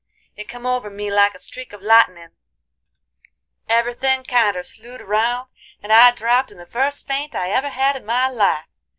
"It come over me like a streak of lightenin'; every thin' kinder slewed round, and I dropped in the first faint I ever had in my life.